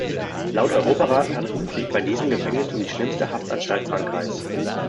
Laut Europarat handelt es sich bei diesem Gefängnis um die schlimmste Haftanstalt Frankreichs.